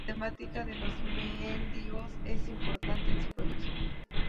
La temática de los mendigos es importante en su producción.